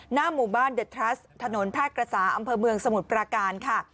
หน้าหมู่บ้านเดอทรัสถนนแพร่กระสาอำเภอเมืองสมุทรปราการค่ะ